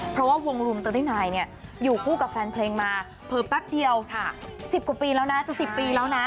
เพราะว่าวงรุม๓๙เนี่ยอยู่คู่กับแฟนเพลงมาเผลอปั๊กเดียว๑๐กว่าปีแล้วนะ